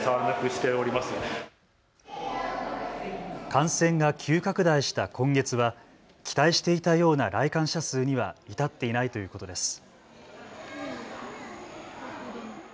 感染が急拡大した今月は期待していたような来館者数には至っていないということです。